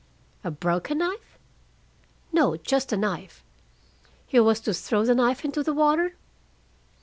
"A broken knife?" "No. Just a knife." "He was to throw the knife into the water?"